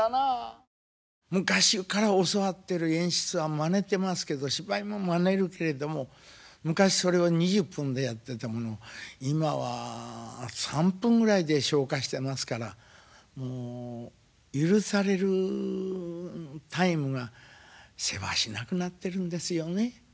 昔から教わってる演出はまねてますけど芝居もまねるけれども昔それを２０分でやってたものを今は３分ぐらいで消化してますからもう許されるタイムがせわしなくなってるんですよね。